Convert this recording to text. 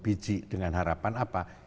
dua puluh biji dengan harapan apa